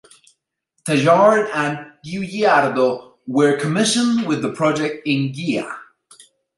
Tjaarda and Giugiaro were commissioned with the project at Ghia.